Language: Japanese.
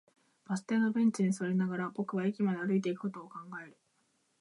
バス停のベンチに座りながら、僕は駅まで歩いていくことを考える